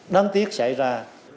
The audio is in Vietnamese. đáng tiếc xảy ra